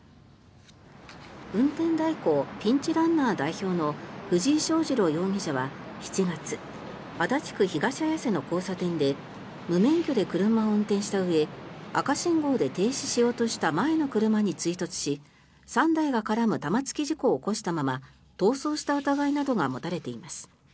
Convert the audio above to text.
運転代行ピンチランナー代表の藤井祥次郎容疑者は７月足立区東綾瀬の交差点で無免許で車を運転したうえ赤信号で停止しようとした前の車に追突し３台が絡む玉突き事故を起こしたまま逃走した疑いなどが持たれています。